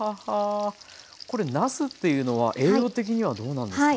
これなすっていうのは栄養的にはどうなんですか？